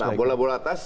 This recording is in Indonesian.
nah bola bola atas